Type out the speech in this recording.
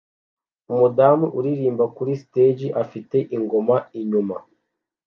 Umudamu uririmba kuri stage afite ingoma inyuma